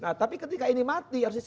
nah tapi ketika ini mati